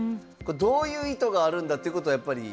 どういう意図があるんだということはやっぱり。